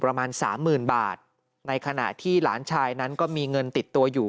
ประมาณสามหมื่นบาทในขณะที่หลานชายนั้นก็มีเงินติดตัวอยู่